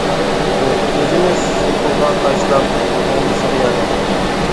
ئۇ ئۆزىنى سۇپىغا تاشلاپ ئوڭدىسىغا ياتتى.